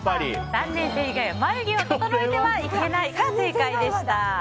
３年生以外は眉毛を整えてはいけないが正解でした。